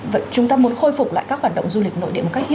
vậy chúng ta muốn khôi phục lại các hoạt động du lịch nội địa